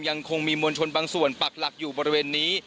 ยังคงมีมวลชนบางส่วนปักหลักอยู่บริเวณนี้